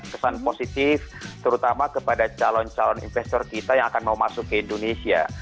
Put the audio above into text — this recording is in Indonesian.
kesan positif terutama kepada calon calon investor kita yang akan mau masuk ke indonesia